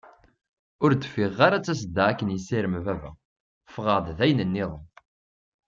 Ur d-ffiɣeɣ ara d tasedda akken i yessirem baba, ffɣeɣ-d d ayen-niḍen.